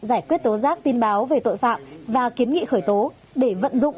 giải quyết tố giác tin báo về tội phạm và kiến nghị khởi tố để vận dụng